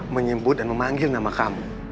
menyebut dan memanggil nama kamu